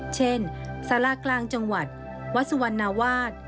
เช่นสารากลางจังหวัดวัดสุวรรณวาส